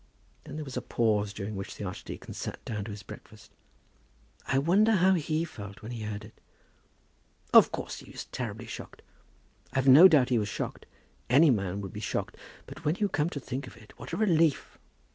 Then there was a pause, during which the archdeacon sat down to his breakfast. "I wonder how he felt when he heard it?" "Of course he was terribly shocked." "I've no doubt he was shocked. Any man would be shocked. But when you come to think of it, what a relief!"